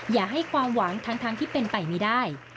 อย่าให้ความหวังทั้งที่เป็นไปไม่ได้